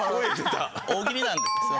大喜利なんで。